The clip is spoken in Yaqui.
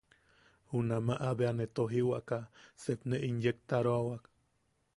Junamaʼa bea ne tojiwaka sep ne inyektaroawa.